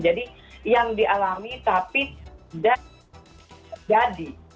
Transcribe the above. jadi yang dialami tapi tidak jadi